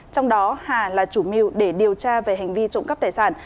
trong đó hà là chủ mưu để điều tra về hành vi trộm cắp tài sản